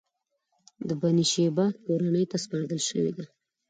د بنی شیبه کورنۍ ته سپارل شوې ده.